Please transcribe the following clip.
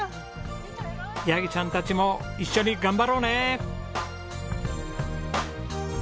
ヤギさんたちも一緒に頑張ろうね。